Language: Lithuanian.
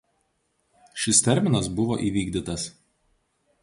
Šis terminas buvo įvykdytas.